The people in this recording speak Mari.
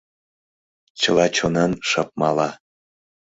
Чыла чонан шып мала